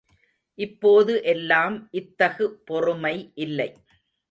இப்போது எல்லாம் இத்தகு பொறுமை இல்லை.